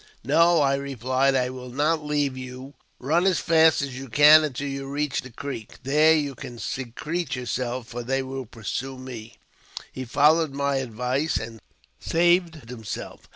"No," I replied, " I will not leave you ; ri:yn as fast as you can until you reach the creek ; there you can secrete yourself, for they will pursue me." He followed my advice, and saved himself.